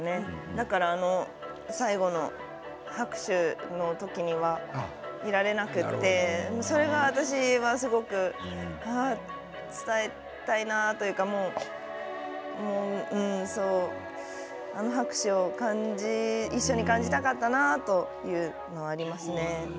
だから最後の拍手の時にはいられなくて、それが私はすごく伝えたいなっていうかあの拍手を一緒に感じたかったなというのはありますね。